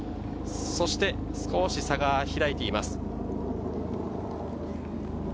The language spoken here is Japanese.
そして少し差が開いています。